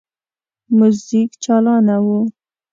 موزیک چالانه وو.